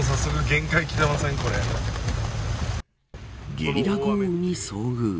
ゲリラ豪雨に遭遇。